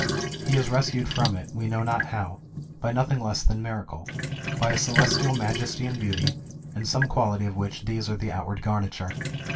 He is rescued from it, we know not how, by nothing less than miracle, by a celestial majesty and beauty, and some quality of which these are the outward garniture.